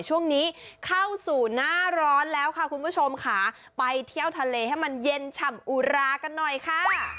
ช่วงนี้เข้าสู่หน้าร้อนแล้วค่ะคุณผู้ชมค่ะไปเที่ยวทะเลให้มันเย็นฉ่ำอุรากันหน่อยค่ะ